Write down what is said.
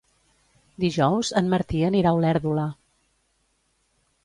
Dijous en Martí anirà a Olèrdola.